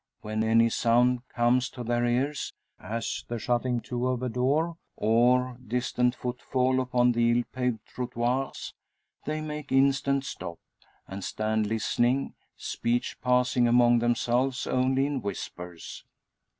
When any sound comes to their ears, as the shutting to of a door, or distant footfall upon the ill paved trottoirs, they make instant stop, and stand listening speech passing among themselves only in whispers.